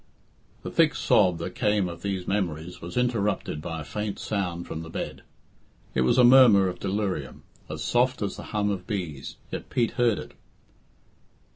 The thick sob that came of these memories was interrupted by a faint sound from the bed. It was a murmur of delirium, as soft as the hum of bees, yet Pete heard it.